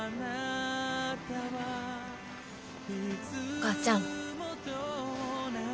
お母ちゃん。